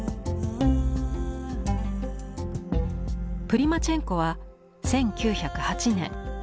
プリマチェンコは１９０８年